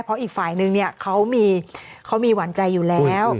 เพราะอีกฝ่ายนึงเนี่ยเขามีหวานใจอยู่แล้ว